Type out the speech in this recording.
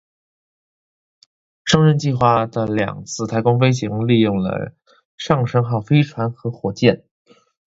上升计划的两次太空飞行利用了上升号飞船和火箭。